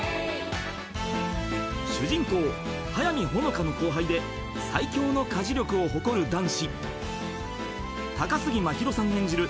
［主人公速見穂香の後輩で最強の家事力を誇る男子高杉真宙さん演じる